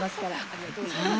ありがとうございます。